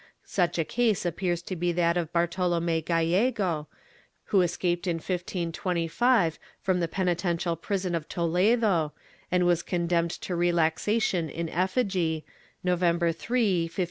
Such a case appears to be that of Bartolom^ Gallego, who escaped in 1525 from the penitential prison of Toledo and was condemned to relaxation in effigy, November 3, 1527.